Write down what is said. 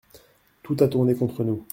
Tout a tourné contre nous.